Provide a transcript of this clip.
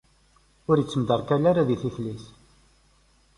Ur ittemderkal ara di tikli-s.